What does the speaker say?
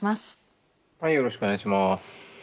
よろしくお願いします。